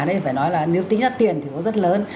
đấy phải nói là nếu tính ra tiền thì có rất lớn